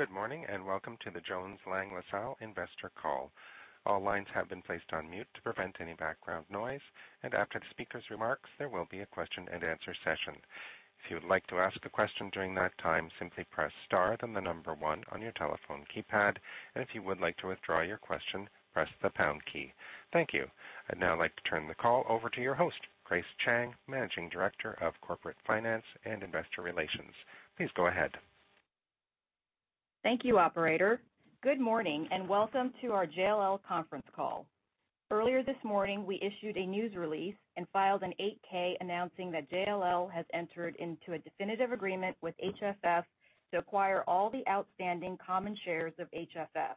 Good morning. Welcome to the Jones Lang LaSalle investor call. All lines have been placed on mute to prevent any background noise. After the speaker's remarks, there will be a question and answer session. If you would like to ask a question during that time, simply press star, then the number 1 on your telephone keypad. If you would like to withdraw your question, press the pound key. Thank you. I'd now like to turn the call over to your host, Grace Chang, Managing Director of Corporate Finance and Investor Relations. Please go ahead. Thank you, operator. Good morning. Welcome to our JLL conference call. Earlier this morning, we issued a news release and filed an 8-K announcing that JLL has entered into a definitive agreement with HFF to acquire all the outstanding common shares of HFF.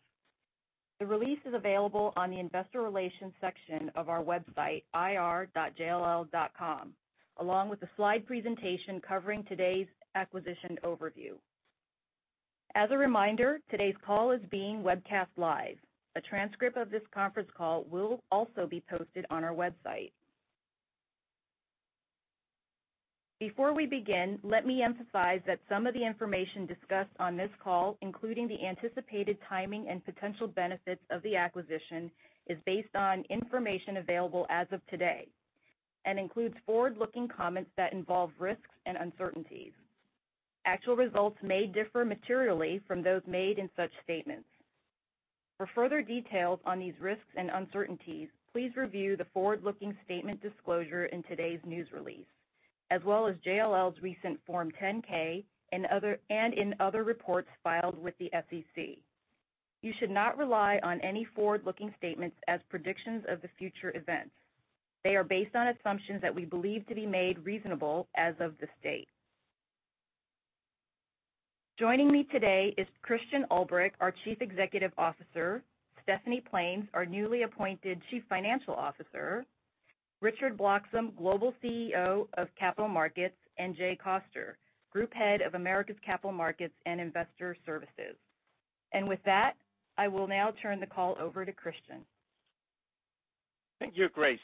The release is available on the investor relations section of our website, ir.jll.com, along with a slide presentation covering today's acquisition overview. As a reminder, today's call is being webcast live. A transcript of this conference call will also be posted on our website. Before we begin, let me emphasize that some of the information discussed on this call, including the anticipated timing and potential benefits of the acquisition, is based on information available as of today and includes forward-looking comments that involve risks and uncertainties. Actual results may differ materially from those made in such statements. For further details on these risks and uncertainties, please review the forward-looking statement disclosure in today's news release, as well as JLL's recent Form 10-K and in other reports filed with the SEC. You should not rely on any forward-looking statements as predictions of the future events. They are based on assumptions that we believe to be made reasonable as of this date. Joining me today is Christian Ulbrich, our Chief Executive Officer, Stephanie Plaines, our newly appointed Chief Financial Officer, Richard Bloxam, Global CEO of Capital Markets, and Jay Koster, Group Head of Americas Capital Markets and Investor Services. With that, I will now turn the call over to Christian. Thank you, Grace.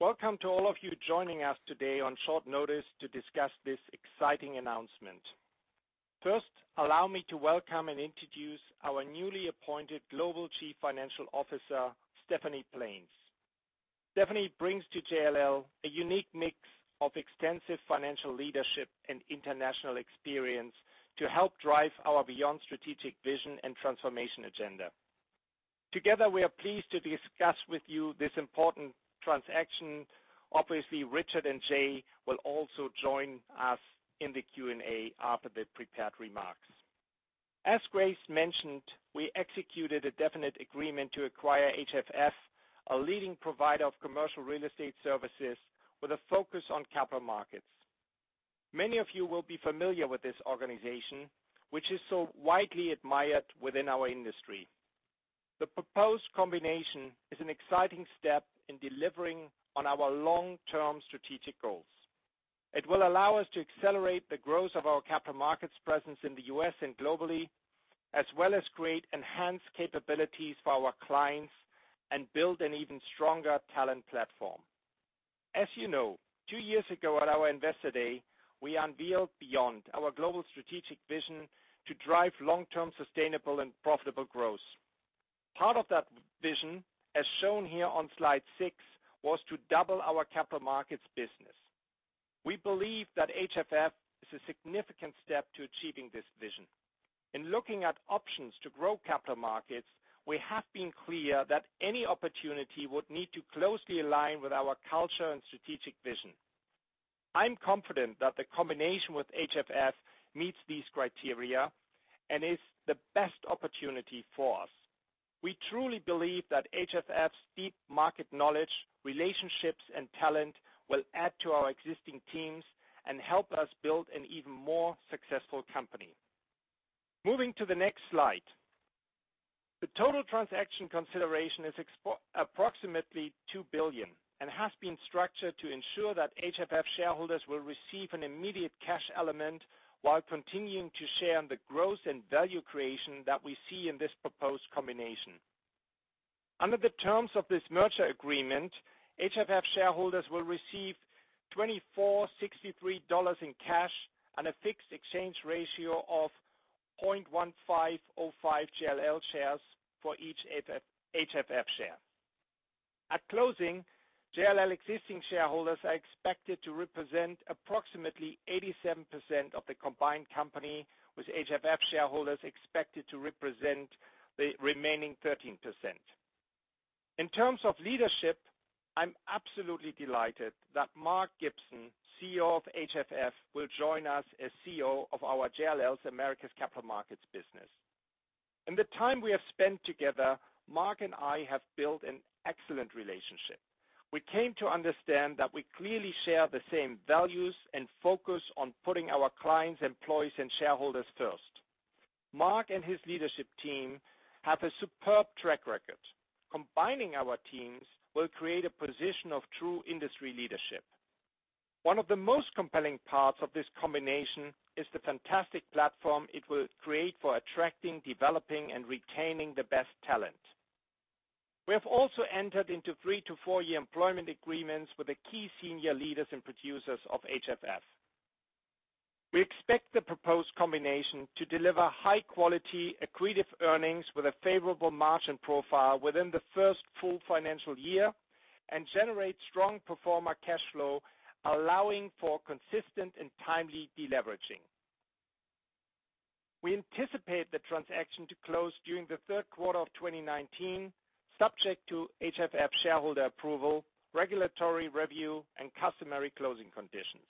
Welcome to all of you joining us today on short notice to discuss this exciting announcement. First, allow me to welcome and introduce our newly appointed Global Chief Financial Officer, Stephanie Plaines. Stephanie brings to JLL a unique mix of extensive financial leadership and international experience to help drive our Beyond strategic vision and transformation agenda. Together, we are pleased to discuss with you this important transaction. Obviously, Richard and Jay will also join us in the Q&A after the prepared remarks. As Grace mentioned, we executed a definitive agreement to acquire HFF, a leading provider of commercial real estate services with a focus on Capital Markets. Many of you will be familiar with this organization, which is so widely admired within our industry. The proposed combination is an exciting step in delivering on our long-term strategic goals. It will allow us to accelerate the growth of our Capital Markets presence in the U.S. and globally, as well as create enhanced capabilities for our clients and build an even stronger talent platform. As you know, two years ago at our Investor Day, we unveiled Beyond, our global strategic vision to drive long-term sustainable and profitable growth. Part of that vision, as shown here on slide six, was to double our Capital Markets business. We believe that HFF is a significant step to achieving this vision. In looking at options to grow Capital Markets, we have been clear that any opportunity would need to closely align with our culture and strategic vision. I'm confident that the combination with HFF meets these criteria and is the best opportunity for us. We truly believe that HFF's deep market knowledge, relationships, and talent will add to our existing teams and help us build an even more successful company. Moving to the next slide. The total transaction consideration is approximately $2 billion and has been structured to ensure that HFF shareholders will receive an immediate cash element while continuing to share in the growth and value creation that we see in this proposed combination. Under the terms of this merger agreement, HFF shareholders will receive $24.63 in cash and a fixed exchange ratio of 0.1505 JLL shares for each HFF share. At closing, JLL existing shareholders are expected to represent approximately 87% of the combined company, with HFF shareholders expected to represent the remaining 13%. In terms of leadership, I'm absolutely delighted that Mark Gibson, CEO of HFF, will join us as CEO of our JLL's Americas Capital Markets business. In the time we have spent together, Mark and I have built an excellent relationship. We came to understand that we clearly share the same values and focus on putting our clients, employees, and shareholders first. Mark and his leadership team have a superb track record. Combining our teams will create a position of true industry leadership. One of the most compelling parts of this combination is the fantastic platform it will create for attracting, developing, and retaining the best talent. We have also entered into three to four-year employment agreements with the key senior leaders and producers of HFF. We expect the proposed combination to deliver high-quality accretive earnings with a favorable margin profile within the first full financial year and generate strong pro forma cash flow, allowing for consistent and timely deleveraging. We anticipate the transaction to close during the third quarter of 2019, subject to HFF shareholder approval, regulatory review, and customary closing conditions.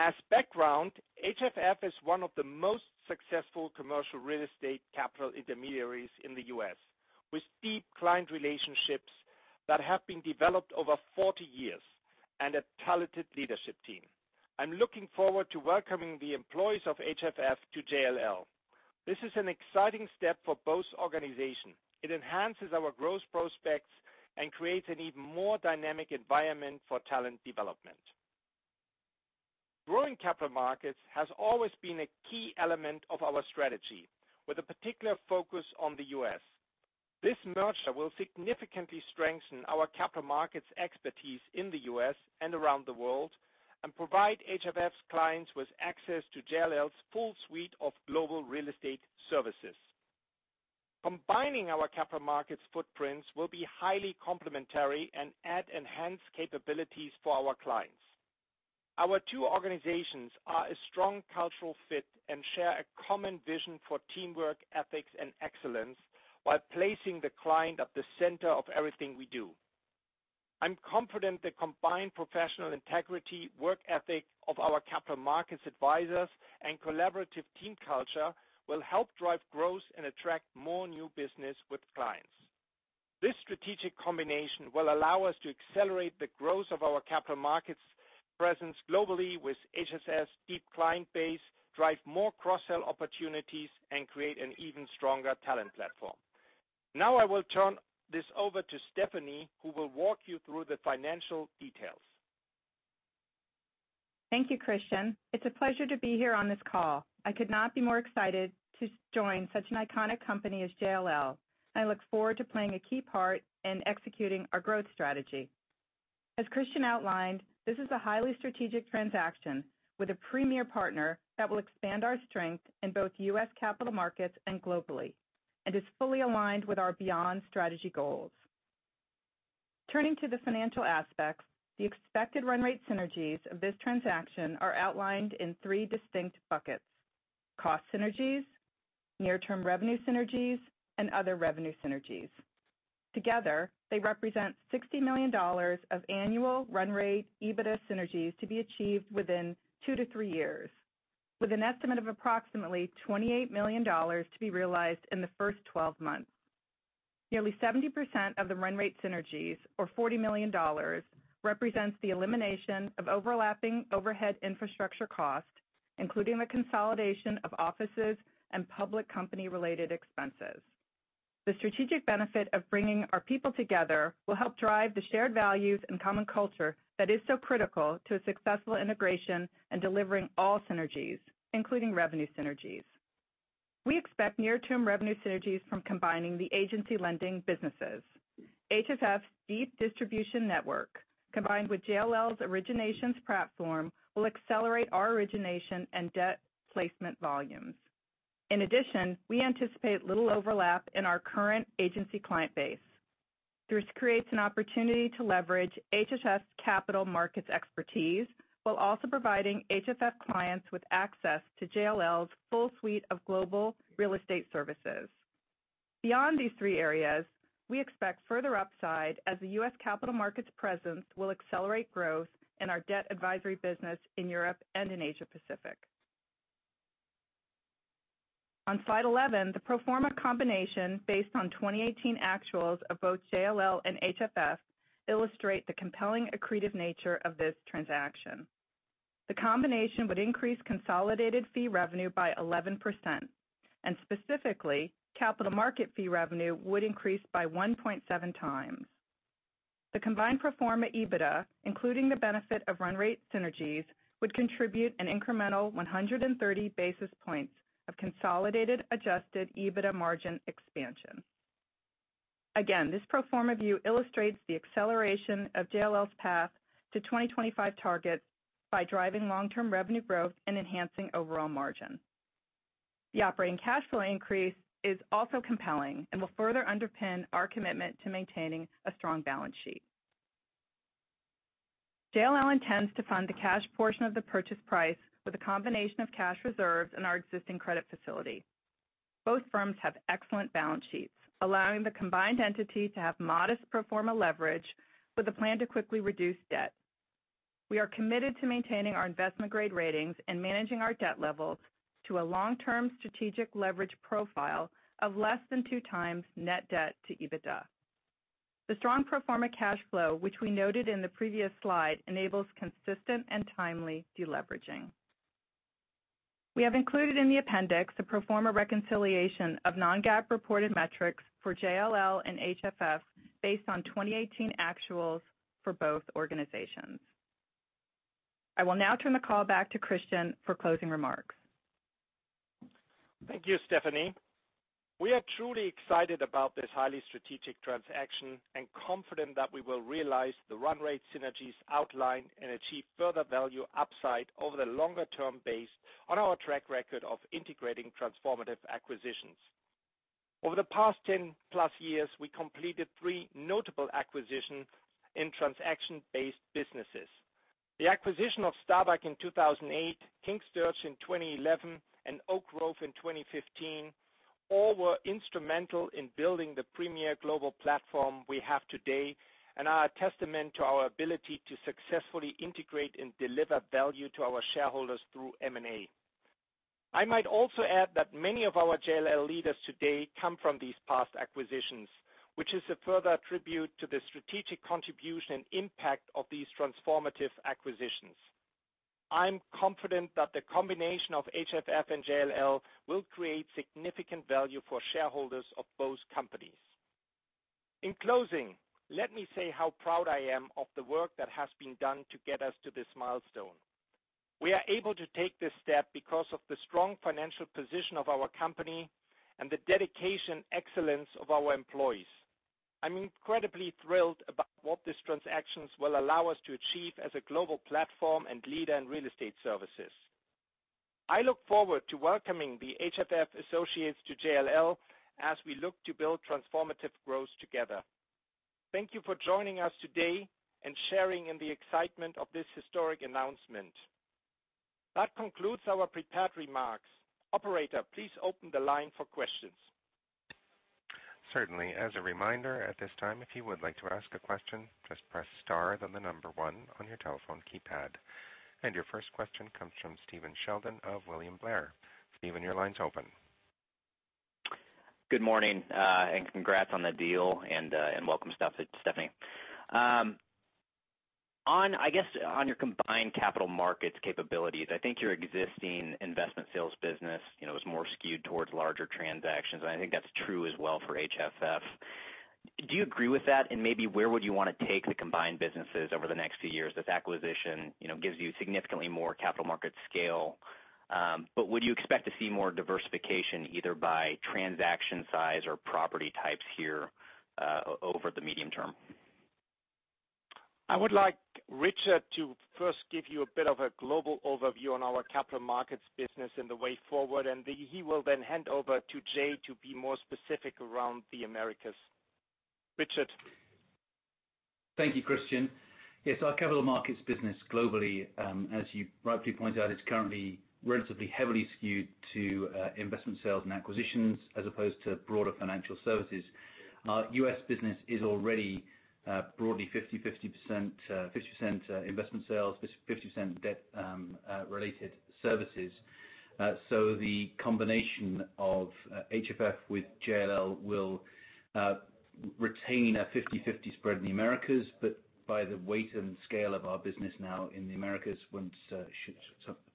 As background, HFF is one of the most successful commercial real estate Capital intermediaries in the U.S., with deep client relationships that have been developed over 40 years and a talented leadership team. I'm looking forward to welcoming the employees of HFF to JLL. This is an exciting step for both organizations. It enhances our growth prospects and creates an even more dynamic environment for talent development. Growing Capital Markets has always been a key element of our strategy, with a particular focus on the U.S. This merger will significantly strengthen our Capital Markets expertise in the U.S. and around the world, and provide HFF's clients with access to JLL's full suite of global real estate services. Combining our Capital Markets footprints will be highly complementary and add enhanced capabilities for our clients. Our two organizations are a strong cultural fit and share a common vision for teamwork, ethics, and excellence while placing the client at the center of everything we do. I'm confident the combined professional integrity, work ethic of our Capital Markets advisors, and collaborative team culture will help drive growth and attract more new business with clients. This strategic combination will allow us to accelerate the growth of our Capital Markets presence globally with HFF's deep client base, drive more cross-sell opportunities, and create an even stronger talent platform. I will turn this over to Stephanie, who will walk you through the financial details. Thank you, Christian. It's a pleasure to be here on this call. I could not be more excited to join such an iconic company as JLL. I look forward to playing a key part in executing our growth strategy. As Christian outlined, this is a highly strategic transaction with a premier partner that will expand our strength in both U.S. Capital Markets and globally, is fully aligned with our Beyond strategy goals. Turning to the financial aspects, the expected run rate synergies of this transaction are outlined in three distinct buckets. Cost synergies, near-term revenue synergies, and other revenue synergies. Together, they represent $60 million of annual run rate EBITDA synergies to be achieved within two to three years, with an estimate of approximately $28 million to be realized in the first 12 months. Nearly 70% of the run rate synergies, or $40 million, represents the elimination of overlapping overhead infrastructure costs, including the consolidation of offices and public company-related expenses. The strategic benefit of bringing our people together will help drive the shared values and common culture that is so critical to a successful integration and delivering all synergies, including revenue synergies. We expect near-term revenue synergies from combining the agency lending businesses. HFF's deep distribution network, combined with JLL's originations platform, will accelerate our origination and Debt Placement volumes. In addition, we anticipate little overlap in our current agency client base. This creates an opportunity to leverage HFF's Capital Markets expertise, while also providing HFF clients with access to JLL's full suite of global real estate services. Beyond these three areas, we expect further upside as the U.S. Capital Markets presence will accelerate growth in our Debt Advisory business in Europe and in Asia Pacific. On slide 11, the pro forma combination based on 2018 actuals of both JLL and HFF illustrate the compelling accretive nature of this transaction. The combination would increase consolidated fee revenue by 11%, specifically, Capital Markets fee revenue would increase by 1.7 times. The combined pro forma EBITDA, including the benefit of run rate synergies, would contribute an incremental 130 basis points of consolidated adjusted EBITDA margin expansion. This pro forma view illustrates the acceleration of JLL's path to 2025 targets by driving long-term revenue growth and enhancing overall margin. The operating cash flow increase is also compelling and will further underpin our commitment to maintaining a strong balance sheet. JLL intends to fund the cash portion of the purchase price with a combination of cash reserves and our existing credit facility. Both firms have excellent balance sheets, allowing the combined entity to have modest pro forma leverage with a plan to quickly reduce debt. We are committed to maintaining our investment-grade ratings and managing our debt levels to a long-term strategic leverage profile of less than two times net debt to EBITDA. The strong pro forma cash flow, which we noted in the previous slide, enables consistent and timely deleveraging. We have included in the appendix a pro forma reconciliation of non-GAAP reported metrics for JLL and HFF based on 2018 actuals for both organizations. I will now turn the call back to Christian for closing remarks. Thank you, Stephanie. We are truly excited about this highly strategic transaction and confident that we will realize the run rate synergies outlined and achieve further value upside over the longer term based on our track record of integrating transformative acquisitions. Over the past 10+ years, we completed three notable acquisitions in transaction-based businesses. The acquisition of Staubach in 2008, King Sturge in 2011, and Oak Grove in 2015, all were instrumental in building the premier global platform we have today and are a testament to our ability to successfully integrate and deliver value to our shareholders through M&A. I might also add that many of our JLL leaders today come from these past acquisitions, which is a further attribute to the strategic contribution impact of these transformative acquisitions. I'm confident that the combination of HFF and JLL will create significant value for shareholders of both companies. In closing, let me say how proud I am of the work that has been done to get us to this milestone. We are able to take this step because of the strong financial position of our company and the dedication excellence of our employees. I'm incredibly thrilled about what this transaction will allow us to achieve as a global platform and leader in real estate services. I look forward to welcoming the HFF associates to JLL as we look to build transformative growth together. Thank you for joining us today and sharing in the excitement of this historic announcement. That concludes our prepared remarks. Operator, please open the line for questions. Certainly. As a reminder at this time, if you would like to ask a question, just press star then the number 1 on your telephone keypad. Your first question comes from Stephen Sheldon of William Blair. Stephen, your line's open. Good morning, and congrats on the deal and welcome, Stephanie. I guess on your combined Capital Markets capabilities, I think your existing Investment Sales business was more skewed towards larger transactions, and I think that's true as well for HFF. Do you agree with that, and maybe where would you want to take the combined businesses over the next few years? This acquisition gives you significantly more Capital Markets scale. Would you expect to see more diversification either by transaction size or property types here over the medium term? I would like Richard to first give you a bit of a global overview on our Capital Markets business and the way forward, and he will then hand over to Jay to be more specific around the Americas. Richard. Thank you, Christian. Yes. Our Capital Markets business globally, as you rightly point out, is currently relatively heavily skewed to Investment Sales and acquisitions as opposed to broader financial services. Our U.S. business is already broadly 50% Investment Sales, 50% debt related services. The combination of HFF with JLL will retain a 50-50 spread in the Americas, but by the weight and scale of our business now in the Americas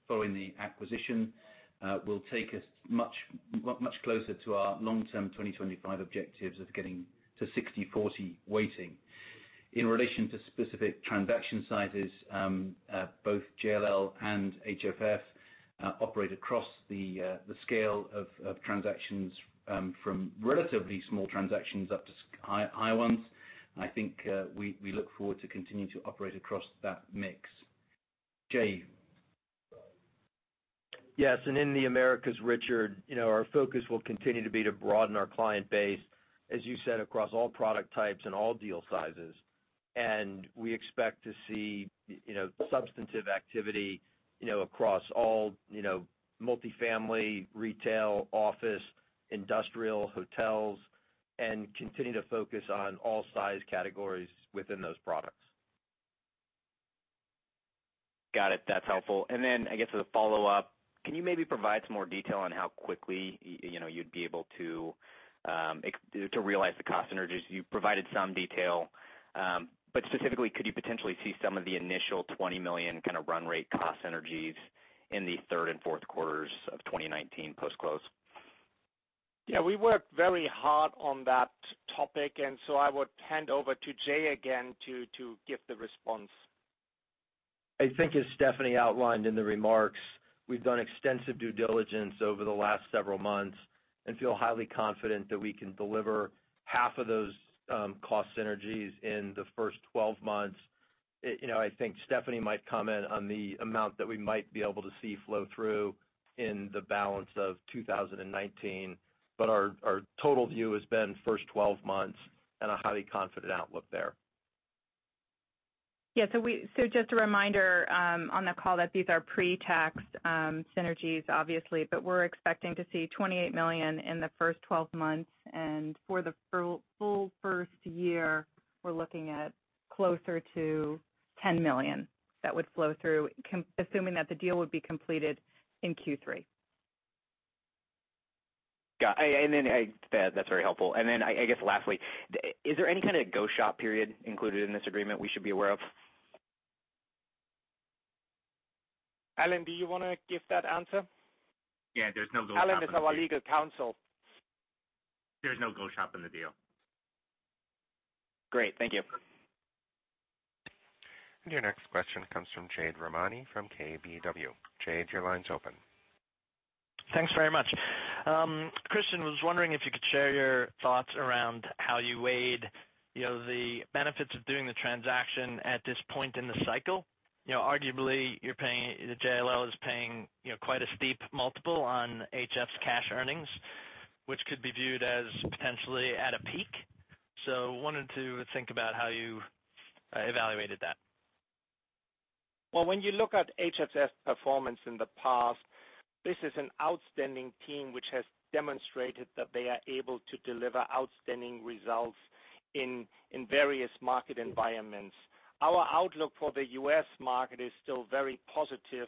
following the acquisition will take us much closer to our long-term 2025 objectives of getting to 60-40 weighting. In relation to specific transaction sizes, both JLL and HFF operate across the scale of transactions from relatively small transactions up to high ones. I think we look forward to continuing to operate across that mix. Jay. Yes. In the Americas, Richard, our focus will continue to be to broaden our client base, as you said, across all product types and all deal sizes. We expect to see substantive activity across all multifamily retail, office, industrial, hotels, and continue to focus on all size categories within those products. Got it. That's helpful. I guess as a follow-up, can you maybe provide some more detail on how quickly you'd be able to realize the cost synergies? You provided some detail, but specifically, could you potentially see some of the initial $20 million kind of run rate cost synergies in the third and fourth quarters of 2019 post-close? Yeah, we worked very hard on that topic. I would hand over to Jay again to give the response. I think as Stephanie outlined in the remarks, we've done extensive due diligence over the last several months and feel highly confident that we can deliver half of those cost synergies in the first 12 months. I think Stephanie might comment on the amount that we might be able to see flow through in the balance of 2019, our total view has been first 12 months and a highly confident outlook there. Yeah. Just a reminder on the call that these are pre-tax synergies, obviously, we're expecting to see $28 million in the first 12 months. For the full first year, we're looking at closer to $10 million that would flow through, assuming that the deal would be completed in Q3. Got it. That's very helpful. I guess lastly, is there any kind of go shop period included in this agreement we should be aware of? Alan, do you want to give that answer? Yeah, there's no go shop in the deal. Alan is our legal counsel. There's no go shop in the deal Great. Thank you. Your next question comes from Jade Rahmani from KBW. Jade, your line's open. Thanks very much. Christian, I was wondering if you could share your thoughts around how you weighed the benefits of doing the transaction at this point in the cycle. Arguably, JLL is paying quite a steep multiple on HFF's cash earnings, which could be viewed as potentially at a peak. I wanted to think about how you evaluated that. Well, when you look at HFF's performance in the past, this is an outstanding team, which has demonstrated that they are able to deliver outstanding results in various market environments. Our outlook for the U.S. market is still very positive.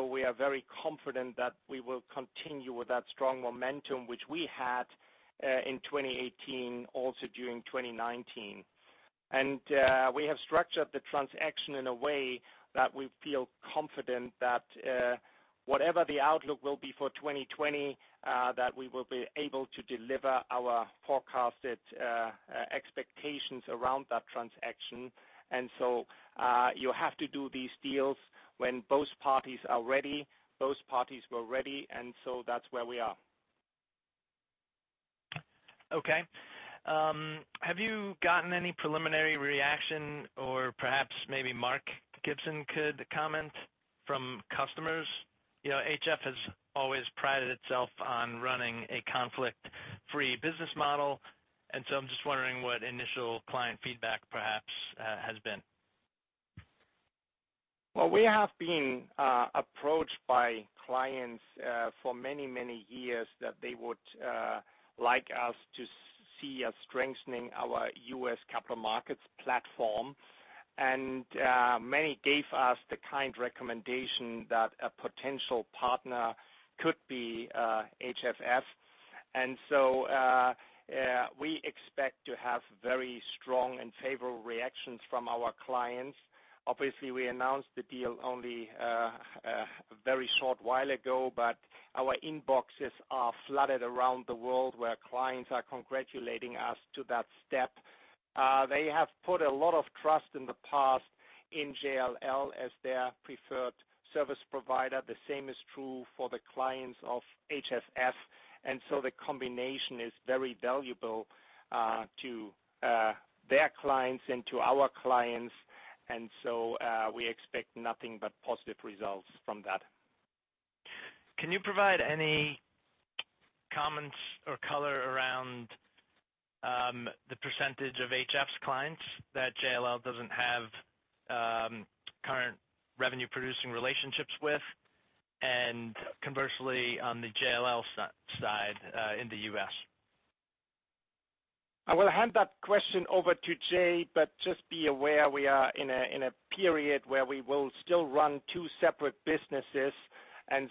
We are very confident that we will continue with that strong momentum, which we had in 2018, also during 2019. We have structured the transaction in a way that we feel confident that whatever the outlook will be for 2020, that we will be able to deliver our forecasted expectations around that transaction. You have to do these deals when both parties are ready. Both parties were ready, that's where we are. Okay. Have you gotten any preliminary reaction, or perhaps maybe Mark Gibson could comment from customers? HFF has always prided itself on running a conflict-free business model, I'm just wondering what initial client feedback perhaps has been. Well, we have been approached by clients for many, many years that they would like us to see us strengthening our U.S. Capital Markets platform. Many gave us the kind recommendation that a potential partner could be HFF. We expect to have very strong and favorable reactions from our clients. Obviously, we announced the deal only a very short while ago, but our inboxes are flooded around the world where clients are congratulating us to that step. They have put a lot of trust in the past in JLL as their preferred service provider. The same is true for the clients of HFF, the combination is very valuable to their clients and to our clients. We expect nothing but positive results from that. Can you provide any comments or color around the percentage of HFF's clients that JLL doesn't have current revenue-producing relationships with? Conversely, on the JLL side in the U.S.? I will hand that question over to Jay. Just be aware we are in a period where we will still run two separate businesses.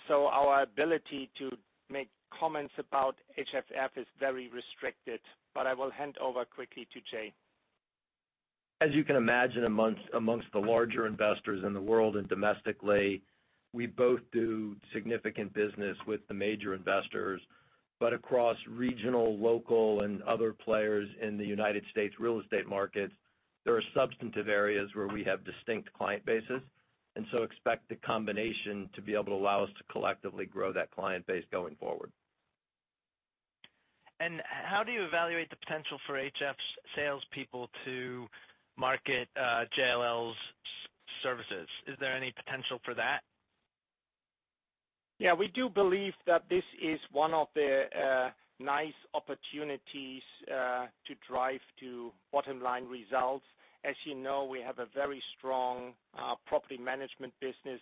Our ability to make comments about HFF is very restricted. I will hand over quickly to Jay. As you can imagine, amongst the larger investors in the world and domestically, we both do significant business with the major investors. Across regional, local, and other players in the U.S. real estate markets, there are substantive areas where we have distinct client bases. Expect the combination to be able to allow us to collectively grow that client base going forward. How do you evaluate the potential for HFF's salespeople to market JLL's services? Is there any potential for that? Yeah. We do believe that this is one of the nice opportunities to drive to bottom-line results. As you know, we have a very strong property management business.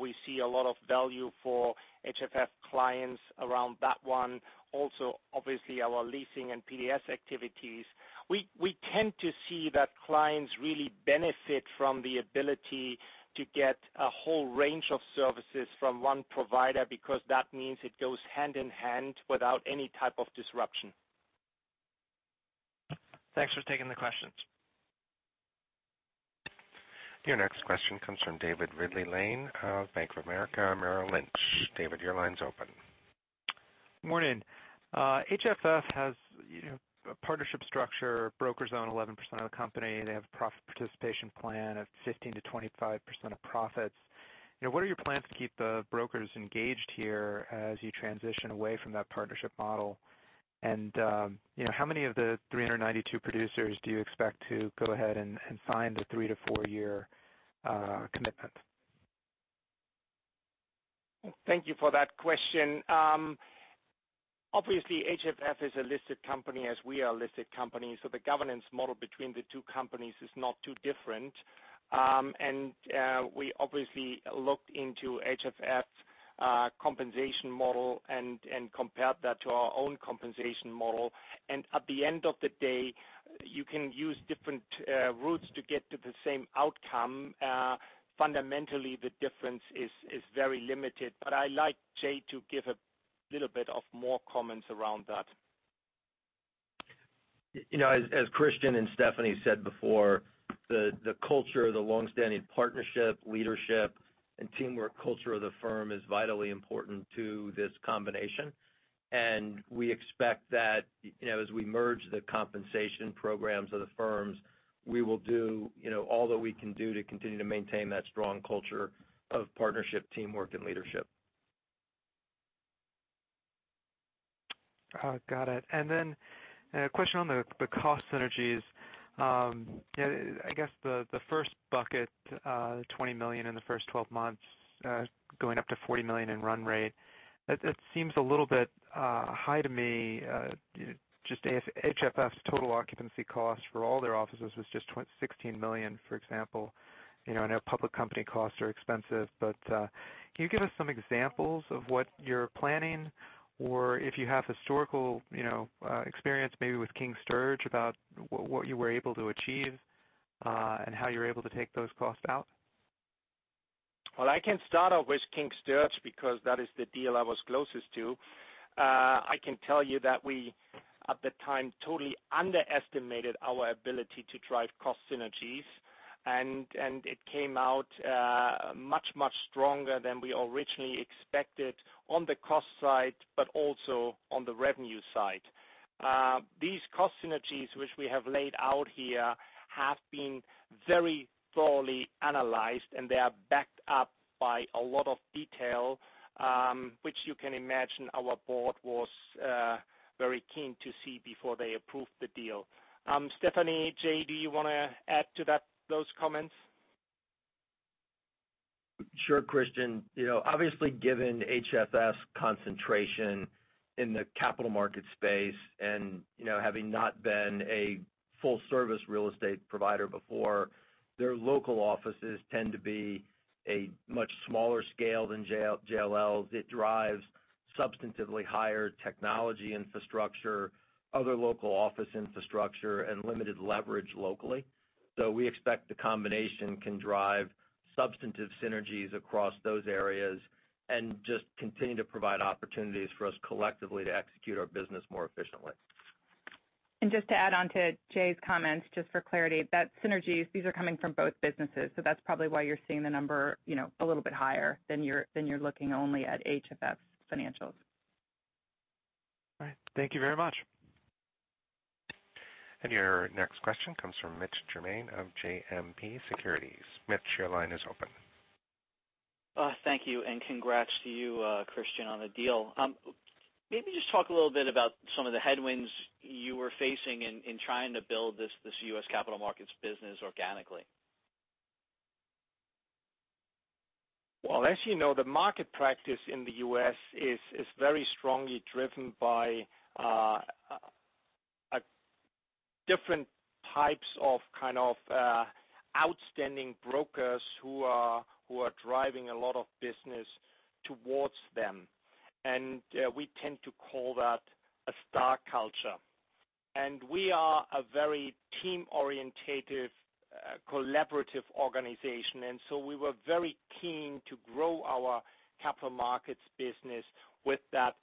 We see a lot of value for HFF clients around that one. Also, obviously, our leasing and PDS activities. We tend to see that clients really benefit from the ability to get a whole range of services from one provider, because that means it goes hand-in-hand without any type of disruption. Thanks for taking the questions. Your next question comes from David Ridley-Lane of Bank of America Merrill Lynch. David, your line's open. Morning. HFF has a partnership structure. Brokers own 11% of the company. They have a profit participation plan of 15%-25% of profits. What are your plans to keep the brokers engaged here as you transition away from that partnership model? How many of the 392 producers do you expect to go ahead and sign the three-to-four-year commitment? Thank you for that question. Obviously, HFF is a listed company, as we are a listed company, so the governance model between the two companies is not too different. We obviously looked into HFF's compensation model and compared that to our own compensation model. At the end of the day, you can use different routes to get to the same outcome. Fundamentally, the difference is very limited. I'd like Jay to give a little bit of more comments around that. As Christian and Stephanie said before. The culture, the longstanding partnership, leadership, and teamwork culture of the firm is vitally important to this combination. We expect that as we merge the compensation programs of the firms, we will do all that we can do to continue to maintain that strong culture of partnership, teamwork, and leadership. Got it. A question on the cost synergies. I guess the first bucket, $20 million in the first 12 months, going up to $40 million in run rate. It seems a little bit high to me. Just HFF's total occupancy cost for all their offices was just $16 million, for example. I know public company costs are expensive, but can you give us some examples of what you're planning? Or if you have historical experience, maybe with King Sturge, about what you were able to achieve, and how you're able to take those costs out. Well, I can start off with King Sturge because that is the deal I was closest to. I can tell you that we, at the time, totally underestimated our ability to drive cost synergies. It came out much, much stronger than we originally expected on the cost side, but also on the revenue side. These cost synergies which we have laid out here have been very thoroughly analyzed, and they are backed up by a lot of detail, which you can imagine our board was very keen to see before they approved the deal. Stephanie, Jay, do you want to add to those comments? Sure, Christian. Obviously, given HFF's concentration in the capital market space and having not been a full-service real estate provider before, their local offices tend to be a much smaller scale than JLL's. It drives substantively higher technology infrastructure, other local office infrastructure, and limited leverage locally. We expect the combination can drive substantive synergies across those areas and just continue to provide opportunities for us collectively to execute our business more efficiently. Just to add on to Jay's comments, just for clarity, that synergies, these are coming from both businesses. That's probably why you're seeing the number a little bit higher than you're looking only at HFF's financials. All right. Thank you very much. Your next question comes from Mitch Germain of JMP Securities. Mitch, your line is open. Thank you. Congrats to you, Christian, on the deal. Maybe just talk a little bit about some of the headwinds you were facing in trying to build this U.S. Capital Markets business organically. Well, as you know, the market practice in the U.S. is very strongly driven by different types of outstanding brokers who are driving a lot of business towards them. We tend to call that a star culture. We are a very team-orientated, collaborative organization, so we were very keen to grow our Capital Markets business with that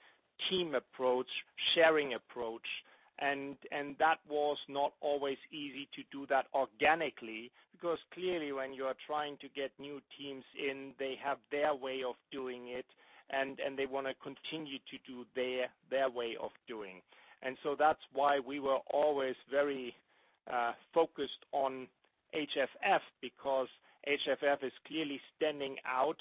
team approach, sharing approach. That was not always easy to do that organically because clearly when you are trying to get new teams in, they have their way of doing it, and they want to continue to do their way of doing. That's why we were always very focused on HFF because HFF is clearly standing out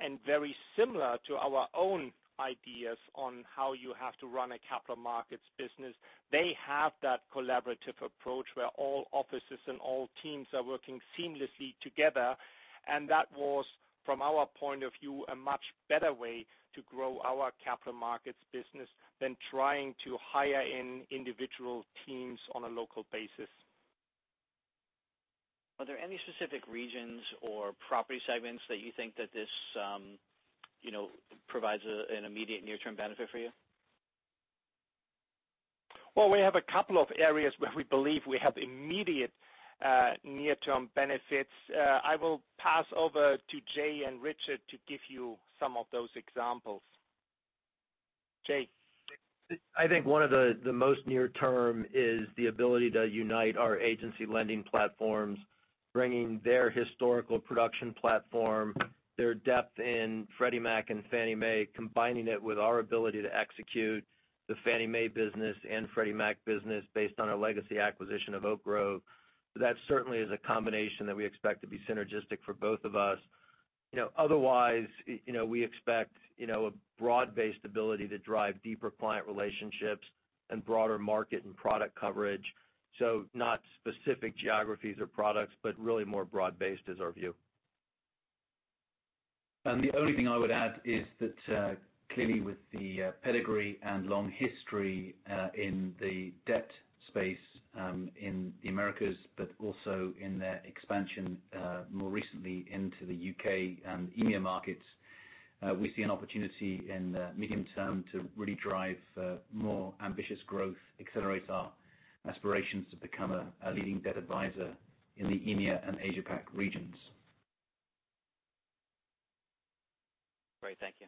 and very similar to our own ideas on how you have to run a Capital Markets business. They have that collaborative approach where all offices and all teams are working seamlessly together. That was, from our point of view, a much better way to grow our Capital Markets business than trying to hire in individual teams on a local basis. Are there any specific regions or property segments that you think that this provides an immediate near-term benefit for you? Well, we have a couple of areas where we believe we have immediate near-term benefits. I will pass over to Jay and Richard to give you some of those examples. Jay? I think one of the most near term is the ability to unite our agency lending platforms, bringing their historical production platform, their depth in Freddie Mac and Fannie Mae, combining it with our ability to execute the Fannie Mae business and Freddie Mac business based on our legacy acquisition of Oak Grove. That certainly is a combination that we expect to be synergistic for both of us. Otherwise, we expect a broad-based ability to drive deeper client relationships and broader market and product coverage. Not specific geographies or products, but really more broad-based is our view. The only thing I would add is that clearly with the pedigree and long history in the debt space in the Americas, but also in their expansion more recently into the U.K. and EMEA markets, we see an opportunity in the medium term to really drive more ambitious growth, accelerate our aspirations to become a leading debt advisor in the EMEA and Asia-Pac regions. Great. Thank you.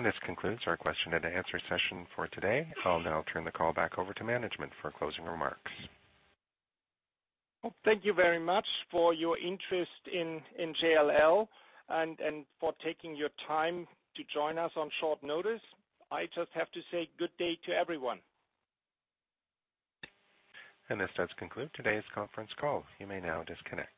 This concludes our question and answer session for today. I'll now turn the call back over to management for closing remarks. Thank you very much for your interest in JLL and for taking your time to join us on short notice. I just have to say good day to everyone. This does conclude today's conference call. You may now disconnect.